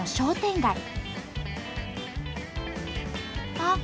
あっ！